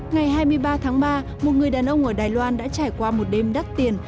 ngày hai mươi ba tháng ba một người đàn ông ở đài loan đã trải qua một đêm đắt tiền